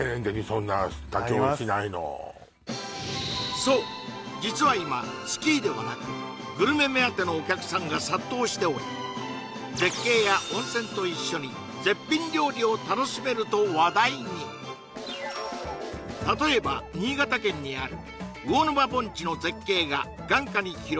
そう実は今スキーではなくグルメ目当てのお客さんが殺到しており絶景や温泉と一緒に絶品料理を楽しめると話題に例えば新潟県にある魚沼盆地の絶景が眼下に広がる